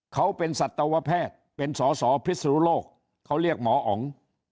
เขาเป็นสัตวแพทย์เป็นสอสอพิศนุโลกเขาเรียกหมออ๋อง